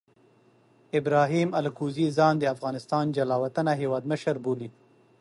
ابراهیم الکوزي ځان د افغانستان جلا وطنه هیواد مشر بولي.